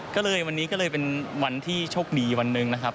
ก็เลยวันนี้ก็เลยเป็นวันที่โชคดีวันหนึ่งนะครับ